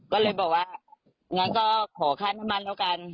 ก็เลยบอกว่างั้นก็ขอค่าน้ำมันแล้วกัน